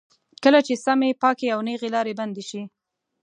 کله چې سمې، پاکې او نېغې لارې بندې شي.